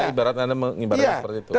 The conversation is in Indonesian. ibaratnya mengibarkan seperti itu